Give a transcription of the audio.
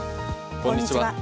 こんにちは。